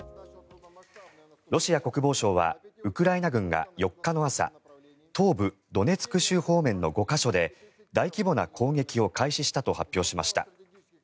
ロシア国防省はウクライナ軍が４日の朝東部ドネツク州方面の５か所で大規模な攻撃を開始したと発表しました。